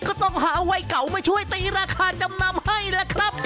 ก็ต้องหาวัยเก่ามาช่วยตีราคาจำนำให้ล่ะครับ